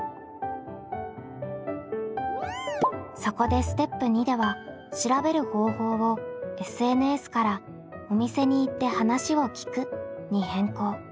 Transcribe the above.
そこでステップ２では調べる方法を「ＳＮＳ」から「お店に行って話を聞く」に変更。